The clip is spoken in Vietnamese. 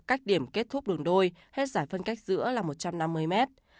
cách điểm kết thúc đường đôi hết giải phân cách giữa là một trăm năm mươi mét